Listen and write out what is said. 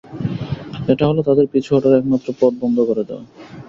এটা হল তাদের পিছু হটার একমাত্র পথ বন্ধ করে দেওয়া।